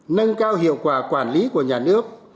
nâng cao hiệu quả quản lý của nhà nước